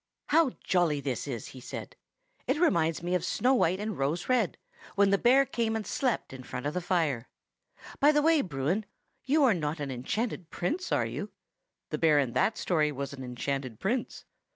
"How jolly this is!" he said. "It reminds me of Snow White and Rose Red, when the bear came and slept in front of the fire. By the way, Bruin, you are not an enchanted prince, are you? The bear in that story was an enchanted prince.